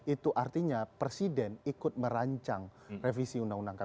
itu artinya presiden ikut merancang revisi undang undang kpk